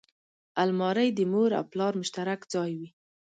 الماري د مور او پلار مشترک ځای وي